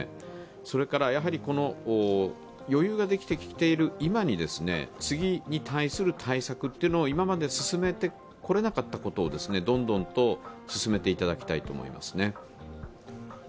それから、余裕ができている今に次に対する対策を今まで進めてこられなかったことをどんどんと進めていただきたいと思いますね。